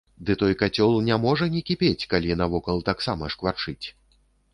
Дый той кацёл не можа не кіпець, калі навокал таксама шкварчыць.